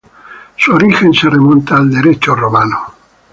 Su origen se remonta al Derecho romano.